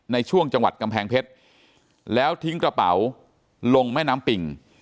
ในช่วงจังหวัดกำแพงเพชรแล้วทิ้งกระเป๋าลงแม่น้ำปิ่ง